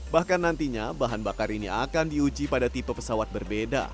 bahkan nantinya bahan bakar ini akan diuji pada tipe pesawat berbeda